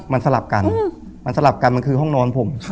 มันสลับกันมันสลับกันมันคือห้องนอนผม